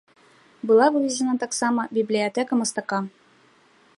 Была вывезена таксама бібліятэка мастака.